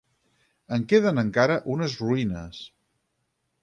En queden encara unes ruïnes.